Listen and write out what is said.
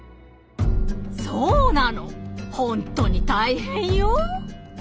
そうなのほんとに大変よ！